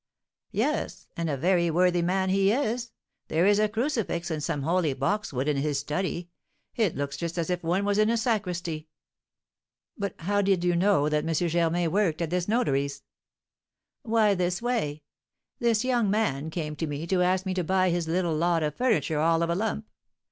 "Yes; and a very worthy man he is. There is a crucifix and some holy boxwood in his study; it looks just as if one was in a sacristy." "But how did you know that M. Germain worked at this notary's?" "Why, this way: this young man came to me to ask me to buy his little lot of furniture all of a lump.